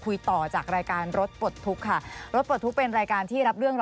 เขาก็ไล่ให้ไปอีกบอกไม่ถึง